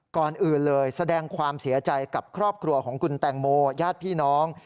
ก่อนอื่นเลยแสดงความเสียใจกับครอบครัวของคุณแตงโมญาติพี่น้อง